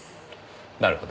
なるほど。